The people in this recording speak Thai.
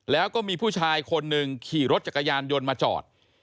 แล้วก็มีผู้ชายคนหนึ่งขี่รถจักรยานยนต์มาจอด